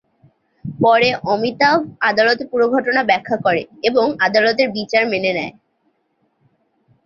পরে অমিতাভ আদালতে পুরো ঘটনা ব্যাখ্যা করে এবং আদালতের বিচার মেনে নেয়।